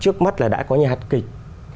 trước mắt là đã có nhà hát kịch